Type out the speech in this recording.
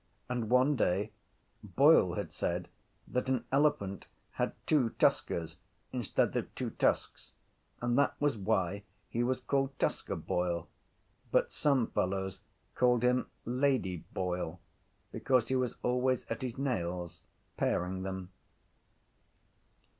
And one day Boyle had said that an elephant had two tuskers instead of two tusks and that was why he was called Tusker Boyle but some fellows called him Lady Boyle because he was always at his nails, paring them.